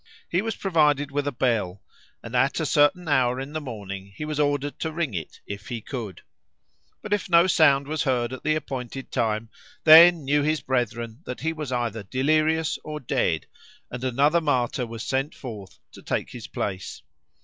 He was provided with a bell, and at a certain hour in the morning he was ordered to ring it, if he could; but if no sound was heard at the appointed time, then knew his brethren that he was either delirious or dead, and another martyr was sent forth to take his place.